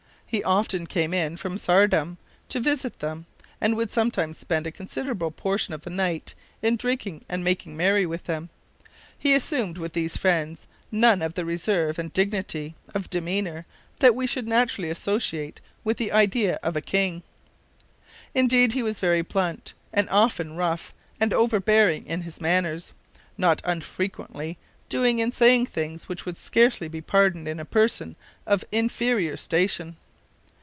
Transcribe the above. He often came in from Saardam to visit them, and would sometimes spend a considerable portion of the night in drinking and making merry with them. He assumed with these friends none of the reserve and dignity of demeanor that we should naturally associate with the idea of a king. Indeed, he was very blunt, and often rough and overbearing in his manners, not unfrequently doing and saying things which would scarcely be pardoned in a person of inferior station.